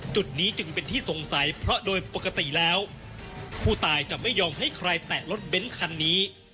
จุดนี้จึงเป็นที่สงสัยเพราะโดยปกติแล้วผู้ตายจะไม่ยอมให้ใครแตะรถเบ้นคันนี้